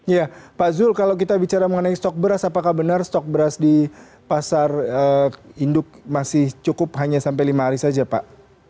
ya pak zul kalau kita bicara mengenai stok beras apakah benar stok beras di pasar induk masih cukup hanya sampai lima hari saja pak